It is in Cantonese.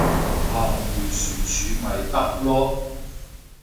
行迴旋處咪得囉